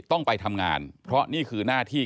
ต้องไปทำงานเพราะนี่คือหน้าที่